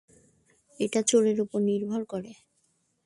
এটা চোরের উপর নির্ভর করে।